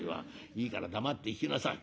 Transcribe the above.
いいから黙って聞きなさい。